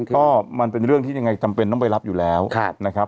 ก็มันเป็นเรื่องที่ยังไงจำเป็นต้องไปรับอยู่แล้วนะครับ